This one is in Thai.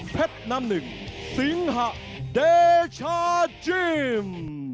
น้ำหนึ่งสิงหะเดชาจิม